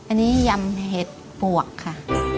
อันนี้ยำเห็ดปวกค่ะ